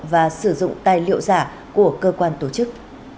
và sử dụng tài liệu giả của cơ quan tổ chức